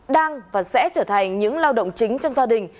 đang và sẽ trở thành những lao động chính trong gia đình